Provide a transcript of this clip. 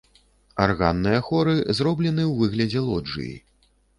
Арганныя хоры зроблены ў выглядзе лоджыі.